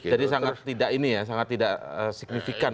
jadi sangat tidak ini ya sangat tidak signifikan